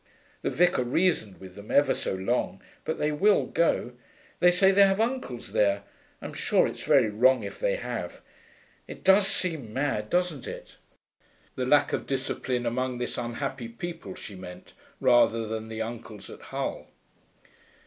The vicar reasoned with them ever so long, but they will go. They say they have uncles there. I'm sure it's very wrong if they have. It does seem sad, doesn't it?' The lack of discipline among this unhappy people, she meant, rather than the uncles at Hull.